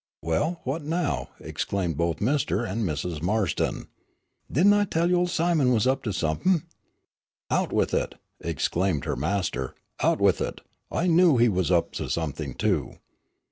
"Well, what now," exclaimed both Mr. and Mrs. Marston. "Didn' I tell you ol' Simon was up to some'p'n?" "Out with it," exclaimed her master, "out with it, I knew he was up to something, too."